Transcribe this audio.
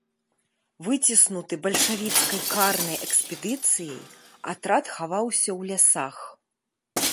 Выціснуты бальшавіцкай карнай экспедыцыяй, атрад хаваўся ў лясах.